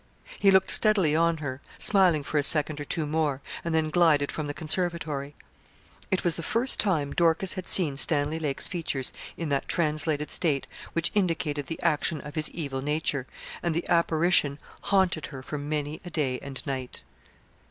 He looked steadily on her, smiling for a second or two more, and then glided from the conservatory. It was the first time Dorcas had seen Stanley Lake's features in that translated state which indicated the action of his evil nature, and the apparition haunted her for many a day and night.